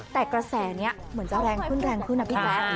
แต่กระแสเนี่ยเหมือนจะแรงขึ้นนะพี่แจ๊ะ